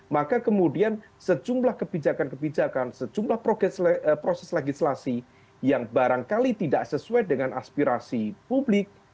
maka kemudian sejumlah kebijakan kebijakan sejumlah proses legislasi yang barangkali tidak sesuai dengan aspirasi publik